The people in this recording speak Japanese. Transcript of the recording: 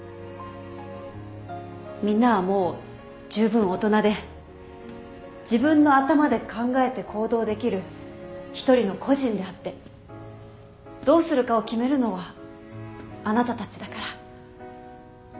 みんなはもうじゅうぶん大人で自分の頭で考えて行動できる一人の個人であってどうするかを決めるのはあなたたちだから。